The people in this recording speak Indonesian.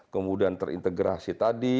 kemudian terintegrasi tadi